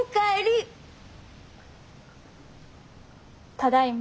ただいま。